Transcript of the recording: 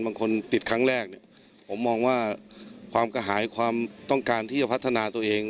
คนติดครั้งแรกเนี่ยผมมองว่าความกระหายความต้องการที่จะพัฒนาตัวเอง